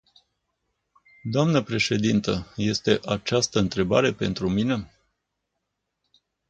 Dnă președintă, este această întrebare pentru mine?